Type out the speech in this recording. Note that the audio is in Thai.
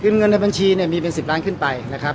คือเงินในบัญชีเนี่ยมีเป็น๑๐ล้านขึ้นไปนะครับ